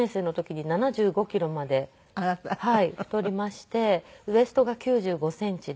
太りましてウエストが９５センチで。